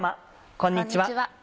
こんにちは。